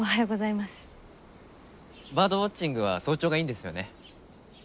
バードウォッチングは早朝がいいんですよね？